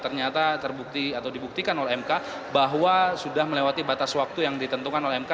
ternyata terbukti atau dibuktikan oleh mk bahwa sudah melewati batas waktu yang ditentukan oleh mk